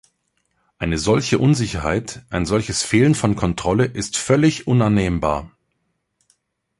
Eine solche Unsicherheit, ein solches Fehlen von Kontrolle ist völlig unannehmbar.